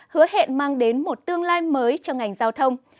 hứa hẹn mang đến một tương lai mới cho ngành giao thông